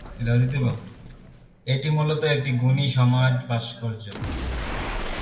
এটি মূলত একটি গুণী সমাজ ভাস্কর্য।